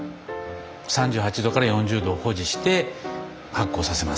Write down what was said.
３８４０℃を保持して発酵させます。